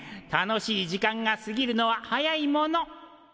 楽しい時間が過ぎるのは早いもの。